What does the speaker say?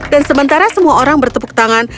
dan sementara semua orang bertepuk tangan